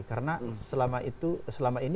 karena selama ini